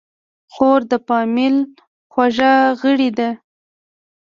خور د فامیل خوږه غړي ده.